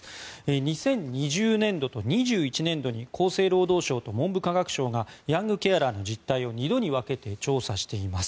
２０２０年度、２１年度に厚生労働省と文部科学省がヤングケアラーの実態を２度に分けて調査しています。